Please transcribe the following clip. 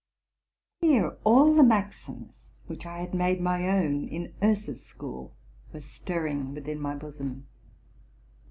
Here all the maxims which I had made my own in ,Oeser's school were stirring within my bosom.